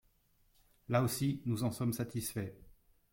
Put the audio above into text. Là aussi, nous en sommes satisfaits.